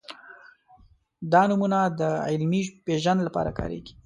دا نومونه د علمي پېژند لپاره کارېږي.